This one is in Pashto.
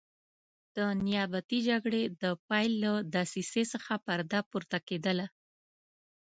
د نیابتي جګړې د پیل له دسیسې څخه پرده پورته کېدله.